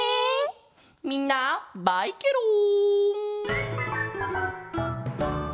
みんなバイケロン！